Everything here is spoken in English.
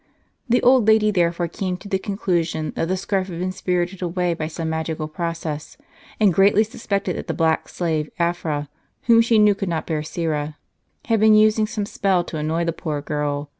The old lady there fore came to the conclusion, that the scarf had been spirited away by some magical process; and greatly suspected that the black slave Afra, who she knew could not bear Syra, had been using some spell to annoy the poor girl.